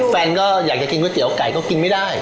แฟนก็อยากจะกินก๋วไก่ก็กินไม่ได้